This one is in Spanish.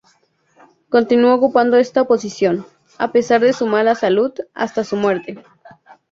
Continuó ocupando esta posición, a pesar de su mala salud, hasta su muerte.